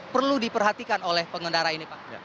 perlu diperhatikan oleh pengendara ini pak